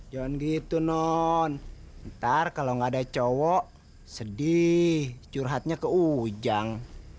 jangan gitu non ntar kalau nggak ada cowok sedih curhatnya ke ujang